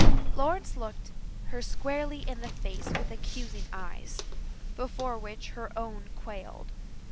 Lawrence looked her squarely in the face with accusing eyes, before which her own quailed.